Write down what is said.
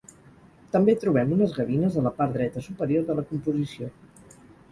També trobem unes gavines a la part dreta superior de la composició.